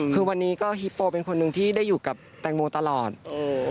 คือวันนี้ก็ฮิปโปเป็นคนหนึ่งที่ได้อยู่กับแตงโมตลอดอืม